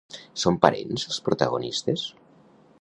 Són parents els protagonistes?